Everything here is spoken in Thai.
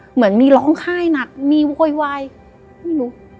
เหมือนมีร้องไห้หนักมีโวยวายไม่รู้